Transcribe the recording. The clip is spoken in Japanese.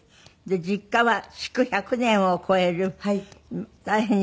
実家は築１００年を超える大変に古いお家。